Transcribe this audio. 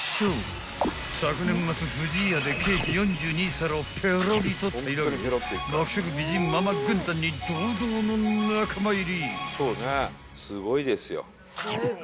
［昨年末不二家でケーキ４２皿をペロリと平らげ爆食美人ママ軍団に堂々の仲間入り］